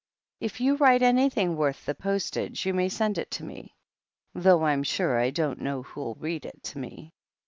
If you write anything worth the postage, you may send it to me — ^though I'm sure I don't know who'll read it to me."